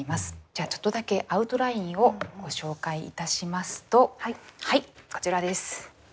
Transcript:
じゃあちょっとだけアウトラインをご紹介いたしますとはいこちらです。